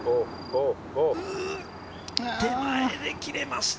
手前で切れました。